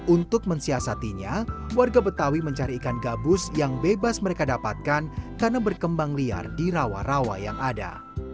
untuk mensiasatinya warga betawi mencari ikan gabus yang bebas mereka dapatkan karena berkembang liar di rawa rawa yang ada